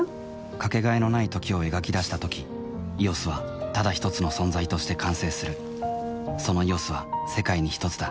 かけがえのない「時」を描き出したとき「ＥＯＳ」はただひとつの存在として完成するその「ＥＯＳ」は世界にひとつだ